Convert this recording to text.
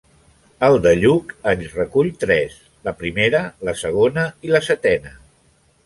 El de Lluc en recull tres, la primera, la segona i la setena.